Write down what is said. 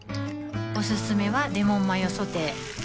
おすすめはレモンマヨソテー